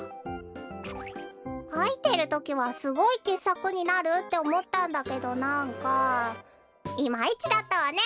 かいてるときはすごいけっさくになるっておもったんだけどなんかいまいちだったわね！